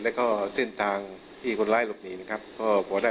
และเส้นทางที่คนร้ายหลบหนีก็ได้บ่วนแส